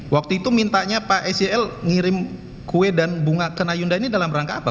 waktu itu mintanya pak sel ngirim kue dan bunga ke nayunda ini dalam rangka apa